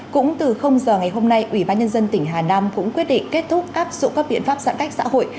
cũng từ giờ ngày hôm nay ubnd tỉnh hà nam cũng quyết định kết thúc áp dụng các biện pháp giãn cách xã hội